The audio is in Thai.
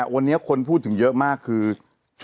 โดนหลานเข้าร้าน